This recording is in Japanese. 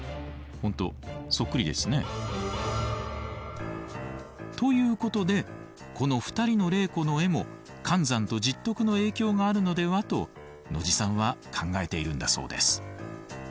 本当そっくりですね。ということでこの２人の麗子の絵も寒山と拾得の影響があるのではと野地さんは考えているんだそうです。